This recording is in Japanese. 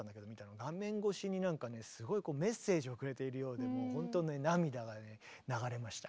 画面越しになんかねすごいメッセージをくれているようでもうほんとね涙がね流れました。